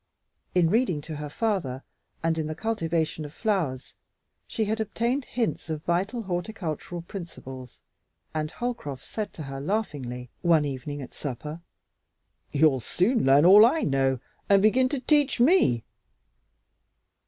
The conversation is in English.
In reading to her father and in the cultivation of flowers, she had obtained hints of vital horticultural principles, and Holcroft said to her laughingly one evening at supper, "You'll soon learn all I know and begin to teach me."